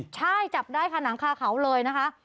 ใช่จับได้ขนาดคาเขาเลยนะคะ